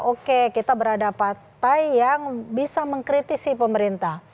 oke kita berada partai yang bisa mengkritisi pemerintah